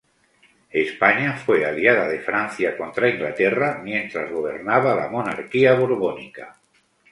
España fue aliada de Francia contra Inglaterra mientras gobernaba la monarquía borbónica.